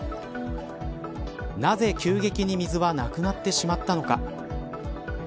なぜ急激に水はなくなってしまったのか。